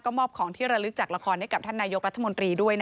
มอบของที่ระลึกจากละครให้กับท่านนายกรัฐมนตรีด้วย